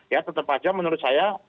ya tetap saja menurut saya